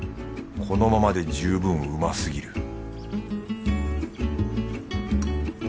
このままで十分うますぎる